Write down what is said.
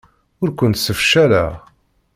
Ur kent-ssefcaleɣ.